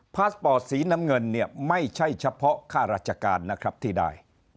พาสปอร์ตสีน้ำเงินเนี่ยไม่ใช่เฉพาะค่าราชการนะครับที่ได้